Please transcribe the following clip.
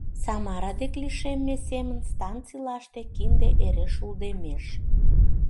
Самара дек лишемме семын станцийлаште кинде эре шулдемеш.